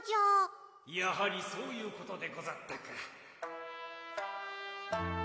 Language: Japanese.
・やはりそういうことでござったか。